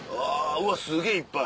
うわすげぇいっぱい。